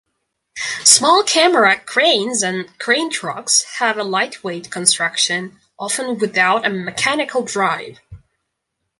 Small camera cranes and crane-trucks have a lightweight construction, often without a mechanical drive.